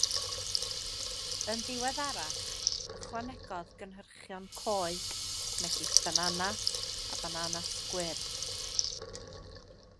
Yn ddiweddarach ychwanegodd gynhyrchion coed megis bananas a bananas gwyrdd.